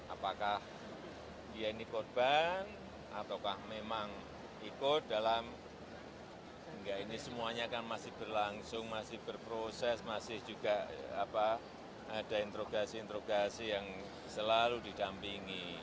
apakah dia ini korban atau memang ikut dalam ini semuanya kan masih berlangsung masih berproses masih juga ada introgasi introgasi yang selalu didampingi